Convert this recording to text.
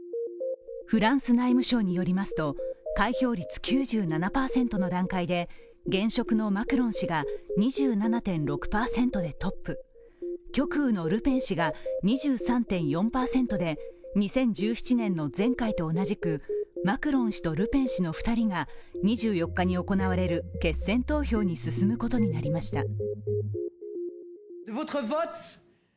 フランス内務省によりますと開票率９７％の段階で現職のマクロン氏が２７．６％でトップ、極右のルペン氏が２３．４％で２０１７年の前回と同じく、マクロン氏とルペン氏の２人が２４日に行われる決選投票に進むことになりました。